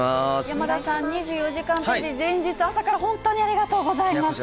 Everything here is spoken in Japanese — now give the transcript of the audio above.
山田さん、２４時間テレビ前日朝から本当にありがとうございます。